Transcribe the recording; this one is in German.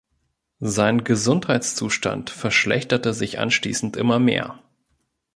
Sein Gesundheitszustand verschlechterte sich anschließend immer mehr.